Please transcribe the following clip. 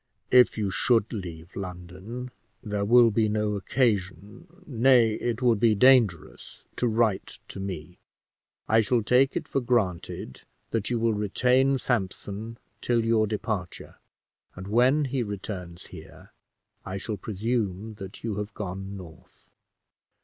"If you should leave London, there will be no occasion nay, it would be dangerous to write to me. I shall take it for granted that you will retain Sampson till your departure, and when he returns here I shall presume that you have gone north.